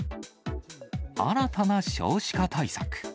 新たな少子化対策。